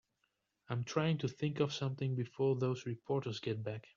I'm trying to think of something before those reporters get back.